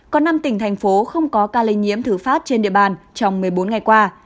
có năm tỉnh thành phố không có ca lây nhiễm thử phát trên địa bàn trong một mươi bốn ngày qua